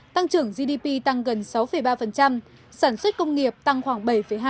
tăng trưởng gdp tăng gần sáu ba sản xuất công nghiệp tăng khoảng bảy hai